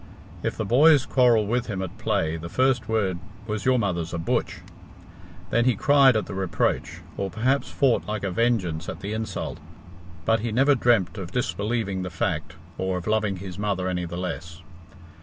If the boys quarrelled with him at play, the first word was "your mother's a butch." Then he cried at the reproach, or perhaps fought like a vengeance at the insult, but he never dreamt of disbelieving the fact or of loving his mother any the less.